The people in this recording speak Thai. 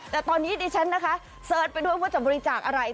แต่ตอนนี้ดิฉันนะคะเสิร์ชไปด้วยว่าจะบริจาคอะไร